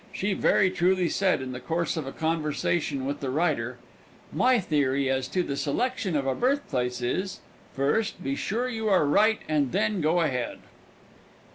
She very truly said in the course of a conversation with the writer: "My theory as to the selection of a birthplace is, first be sure you are right and then go ahead."